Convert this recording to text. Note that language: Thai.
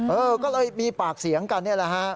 เออก็เลยมีปากเสียงกันนี่แหละฮะ